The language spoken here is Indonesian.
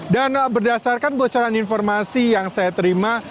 dan berdasarkan bocoran informasi yang saya terima